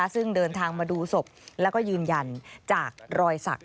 ซึ่งเดินทางมาดูศพแล้วก็ยืนยันจากรอยสัก